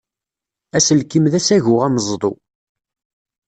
Aselkim d asagu ameẓdu.